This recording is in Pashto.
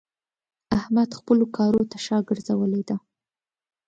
احمد خپلو کارو ته شا ګرځولې ده.